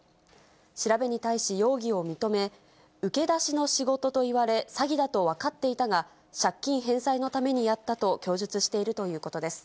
調べに対し容疑を認め、受け出しの仕事と言われ、詐欺だと分かっていたが、借金返済のためにやったと供述しているということです。